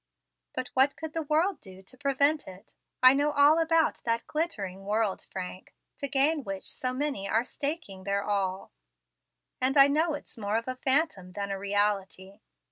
But what could the world do to prevent it? I know all about that glittering world, Frank, to gain which so many are staking their all, and I know it's more of a phantom than a reality.